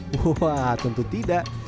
wah tentu tidak